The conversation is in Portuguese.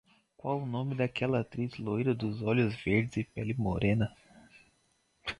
Qual o nome daquela atriz loira, dos olhos verdes e pele morena?